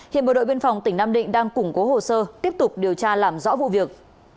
hiện bộ đội biên phòng tỉnh nam định đang củng cố hồ sơ tiếp tục điều tra làm rõ vụ việc